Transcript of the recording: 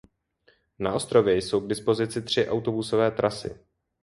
Na ostrově jsou k dispozici tři autobusové trasy.